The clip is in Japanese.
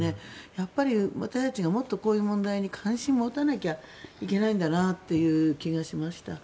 やっぱり私たちがもっとこういう問題に関心を持たないといけないんだという気がしました。